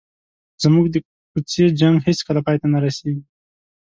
زموږ د کوڅې جنګ هېڅکله پای ته نه رسېږي.